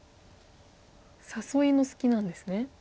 誘いの隙なんですね。